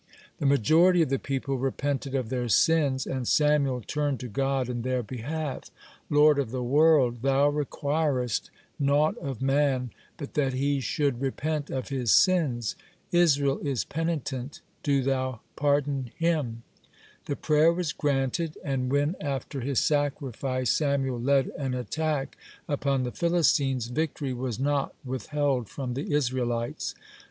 (40) The majority of the people repented of their sins, and Samuel turned to God in their behalf: "Lord of the world! Thou requirest naught of man but that he should repent of his sins. Israel is penitent, do Thou pardon him." (41) The prayer was granted, and when, after his sacrifice, Samuel led an attack upon the Philistines, victory was not withheld from the Israelites.